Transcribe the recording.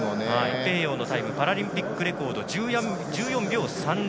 ペーヨーのタイムパラリンピックレコード１４秒３０。